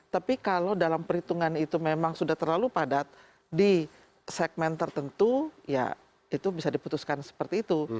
tapi kalau dalam perhitungan itu memang sudah terlalu padat di segmen tertentu ya itu bisa diputuskan seperti itu